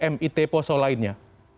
mit poso lainnya